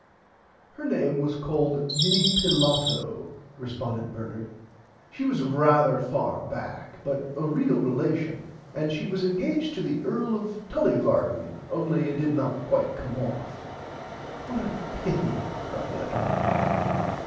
Her name was called Minnie Pilato responded Bernard she was rarther far back [Pg 40] but a real relation and she was engaged to the earl of Tullyvarden only it did not quite come off. What a pity crid Ethel.